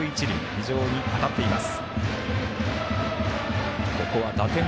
非常に当たっています。